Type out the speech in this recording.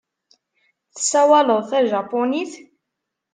Tessawaleḍ tajapunit?